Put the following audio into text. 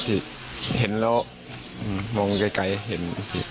ดีแล้วมองไกลเห็น